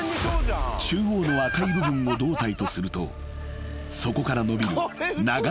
［中央の赤い部分を胴体とするとそこから伸びる長い首と尻尾］